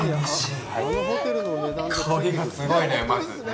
香りがすごいね、まず。